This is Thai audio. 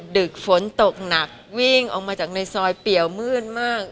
ดึกฝนตกหนักวิ่งออกมาจากในซอยเปี่ยวมืดมาก